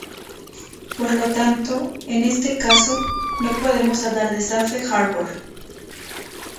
Por lo tanto, en este caso, no podemos hablar de safe harbor.